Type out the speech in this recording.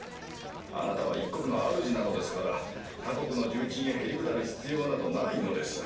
あなたは一国のあるじなのですから他国の重鎮へへりくだる必要などないのです。